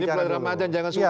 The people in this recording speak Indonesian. ini lepas ramadhan jangan sudah